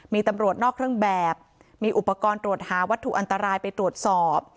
มีตำรวจนอกเครื่องแบบมีอุปกรณ์ตรวจหาวัตถุอันตรายไปตรวจสอบ